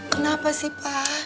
kenapa sih pa